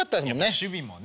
守備もね。